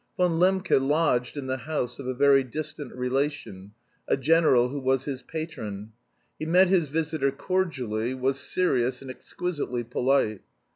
Von Lembke lodged in the house of a very distant relation, a general who was his patron. He met his visitor cordially, was serious and exquisitely polite.